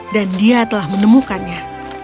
dan dia telah menemukannya